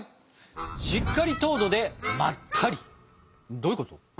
どういうこと？